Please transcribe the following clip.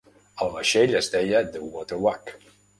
El vaixell es deia The Water Wag.